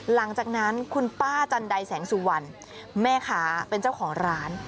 หลังจากนั้นคุณป้าจันไดแสงสุวรรณแม่ค้าเป็นเจ้าของร้าน